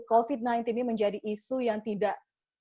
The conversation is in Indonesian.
covid sembilan belas ini menjadi isu yang tidak